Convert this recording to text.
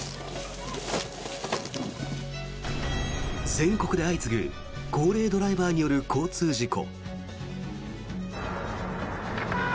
全国で相次ぐ高齢ドライバーによる交通事故。